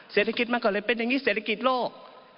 เศรษฐกิจมันก็เลยเป็นอย่างนี้เศรษฐกิจโลก